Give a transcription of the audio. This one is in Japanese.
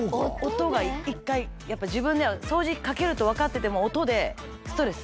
音が一回やっぱ自分では掃除機かけると分かってても音でストレス。